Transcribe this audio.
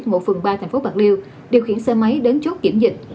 ngụ phường ba thành phố bạc liêu điều khiển xe máy đến chốt kiểm dịch